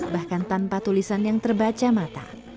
bahkan tanpa tulisan yang terbaca mata